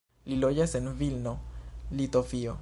Li loĝas en Vilno, Litovio.